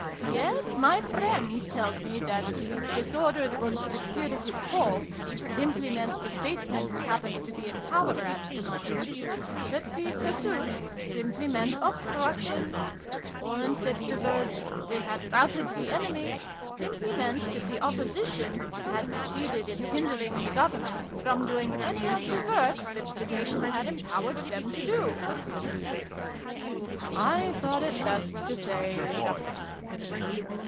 " Yet my friend tells me that the ' disordered and dispirited foe ' simply meant the Statesmen who happened to be in power at the moment ; that the 'pursuit ' simply meant ' Obstruction '; and that the xin] WHAT TOTTLES MEANT. 205 words ' they had routed the enemy ' simply meant that the ' Opposition ' had succeeded in hindering the Government from doing any of the work which the Nation had empowered them to do!" I thought it best to say nothing.